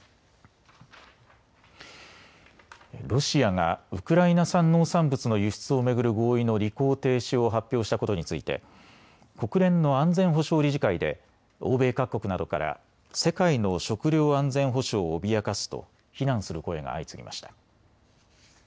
ロシアがウクライナ産農産物の輸出を巡る合意の履行停止を発表したことについて国連の安全保障理事会で欧米各国などから世界の食料安全保障を脅かすと非難する声が相次ぎました。